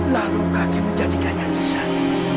lalu kaki menjadikannya nisan